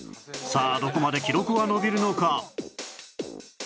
さあどこまで記録は伸びるのか？